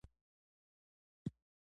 پکورې له شنو پیازو پوره ښکلا لري